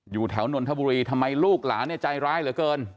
อยู่แถวนนทบุรีทำไมลูกหลานเนี่ยใจร้ายเหลือเกิน